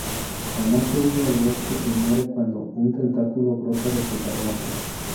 Tanaka huye al bosque y muere cuando un tentáculo brota de su garganta.